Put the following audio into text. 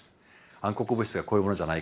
暗黒物質がこういうものじゃないかっていう